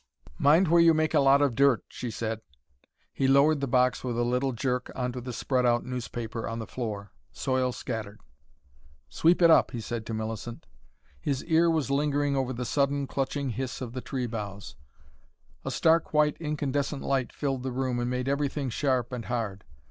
"Mind where you make a lot of dirt," she said. He lowered the box with a little jerk on to the spread out newspaper on the floor. Soil scattered. "Sweep it up," he said to Millicent. His ear was lingering over the sudden, clutching hiss of the tree boughs. A stark white incandescent light filled the room and made everything sharp and hard.